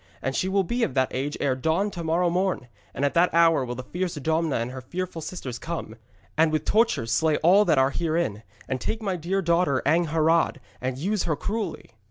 And she will be of that age ere dawn to morrow morn, and at the hour will the fierce Domna and her fearful sisters come, and with tortures slay all that are herein, and take my dear daughter Angharad, and use her cruelly.'